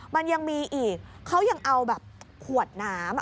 มันยังมีอีกเขายังเอาแบบขวดน้ำ